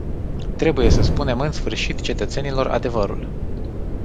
Trebuie să spunem în sfârșit cetățenilor adevărul.